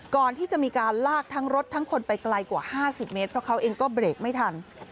ก่อนที่จะมีการลากทั้งรถทั้งคนไปไกลกว่า๕๐เมตรเพราะเขาเองก็เบรกไม่ทัน